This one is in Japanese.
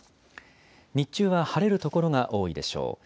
日中は晴れる所が多いでしょう。